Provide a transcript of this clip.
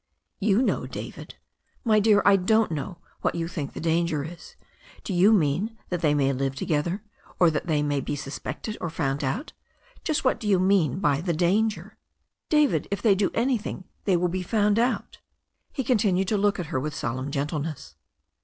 "You know, David." "My dear, I don't know what you think the danger is. Do you mean that they may live together, or that they may be suspected, or found out ? Just what do you mean by the danger ?" "David, if they do anything they will be found out." He continued to look at her with solemn gentleness.